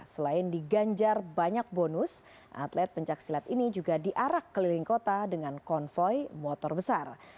selain diganjar banyak bonus atlet pencaksilat ini juga diarak keliling kota dengan konvoy motor besar